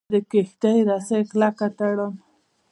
زه د کښتۍ رسۍ کلکه تړم.